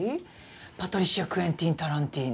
パトリシア・クエンティン・タランティーノ。